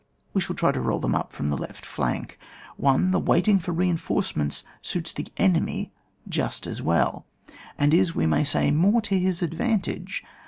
We shall try to roll them up from the left flank. 1 . The waiting for reinforcements suits the enemy just as well, and is, we may say, more to his advantage.